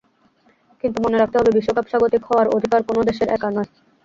কিন্তু মনে রাখতে হবে বিশ্বকাপ স্বাগতিক হওয়ার অধিকার কোনো দেশের একার নয়।